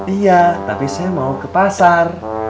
iya tapi saya mau ke pasar